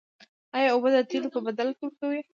آیا اوبه د تیلو په بدل کې ورکوو؟